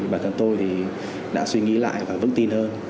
bản thân tôi thì đã suy nghĩ lại và vững tin hơn